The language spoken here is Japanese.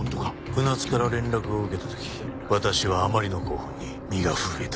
船津から連絡を受けた時私はあまりの興奮に身が震えたよ。